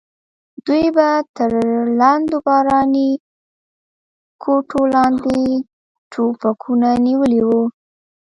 دوی به تر لندو باراني کوټو لاندې ټوپکونه نیولي وو.